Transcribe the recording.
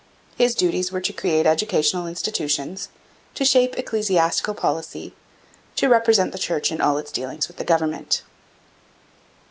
His duties were to create educational institutions, to shape ecclesiastical policy, and to represent the Church in all its dealings with the government.